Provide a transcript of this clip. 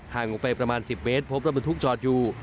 ลงไปประมาณ๑๐เมตรพบรถบรรทุกจอดอยู่